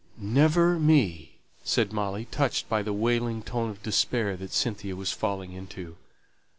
"Never me," said Molly, touched by the wailing tone of despair that Cynthia was falling into.